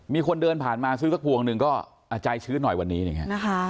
มีคนเดินผ่านมาซื้อสักพวงหนึ่งก็ใจชื้นหน่อยวันนี้นะฮะ